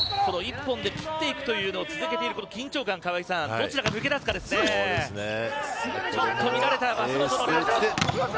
１本で切っていくというのを続けていく緊張感どちらが抜け出すかですね。